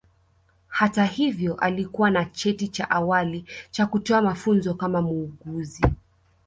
Hata hivyo alikuwa na cheti cha awali cha kutoa mafunzo kama muuguzi